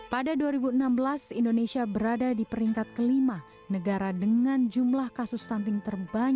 pada dua ribu enam belas indonesia berada di peringkat kelima negara dengan jumlah kasus stunting terbanyak